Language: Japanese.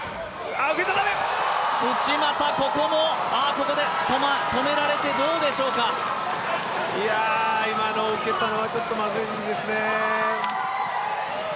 ここで止められて、どうでしょうか今の受けたのはちょっとまずいですね。